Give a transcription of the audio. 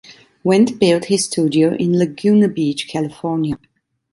Wendt built his studio in Laguna Beach, California.